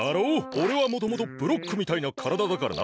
おれはもともとブロックみたいなからだだからな。